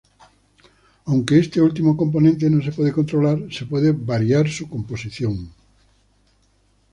Aunque este último componente no se puede controlar, se puede variar su composición.